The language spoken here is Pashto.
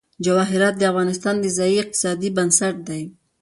جواهرات د افغانستان د ځایي اقتصادونو بنسټ دی.